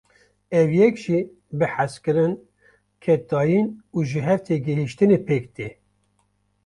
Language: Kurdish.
Ev yek jî bi hezkirin, keddayîn û jihevtêgihaştinê pêk tê.